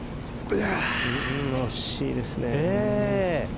惜しいですね。